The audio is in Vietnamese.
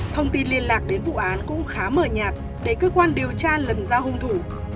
thông tin liên lạc đến vụ án cũng khá mờ nhạt để cơ quan điều tra lần ra hung thủ